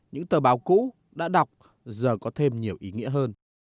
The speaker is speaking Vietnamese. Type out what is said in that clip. những tờ báo cũ đã đọc giờ có thêm nhiều ý nghĩa hơn